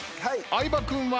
相葉君は。